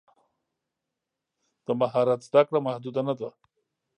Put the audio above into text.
د مهارت زده کړه محدود نه ده.